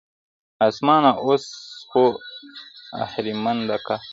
آسمانه اوس خو اهریمن د قهر؛